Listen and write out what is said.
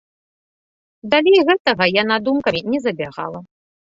Далей гэтага яна думкамі не забягала.